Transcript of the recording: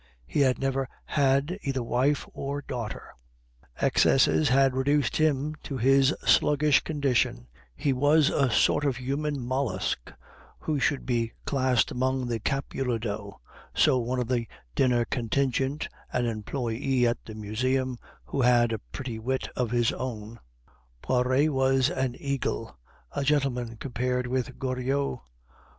He had never had either wife or daughter; excesses had reduced him to this sluggish condition; he was a sort of human mollusk who should be classed among the capulidoe, so one of the dinner contingent, an employe at the Museum, who had a pretty wit of his own. Poiret was an eagle, a gentleman, compared with Goriot.